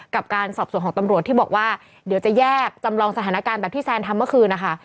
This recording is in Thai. กับการสอบส่วนของตำรวจที่บอกว่าเดี๋ยวจะแยกจำลองสถานการณ์แบบที่แซนทำเมื่อคืนนะคะ